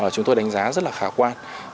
chúng tôi đánh giá rất là khả quan